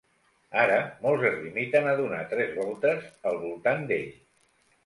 Ara molts es limiten a donar tres voltes al voltant d'ell.